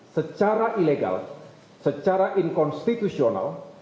secara ilegal secara inkonstitusional